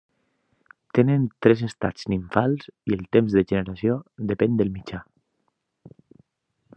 Tenen tres estats nimfals i el temps de generació depèn del mitjà.